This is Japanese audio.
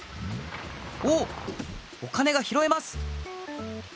おおっお金がひろえます！